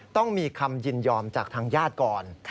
ต้องมีคำยินยอมจากทางญาติก่อน